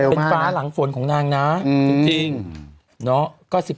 เป็นฟ้าหลังฝนของนางนะจริงเนาะ